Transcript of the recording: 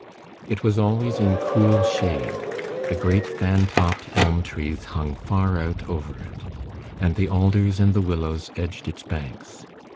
It was always in cool shade; the great fan topped elm trees hung far out over it, and the alders and the willows edged its banks.